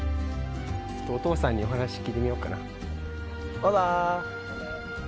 ちょっとお父さんにお話聞いてみようかな